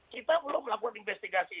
kita belum melakukan investigasi